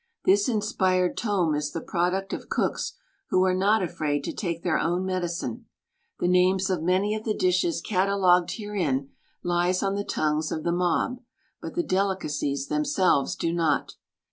This inspired tome is the product of cooks who are not afraid to take their own medicine. The names of many of the dishes catalogued herein lies on the tongues of the mob, but the delicacies themselves do not.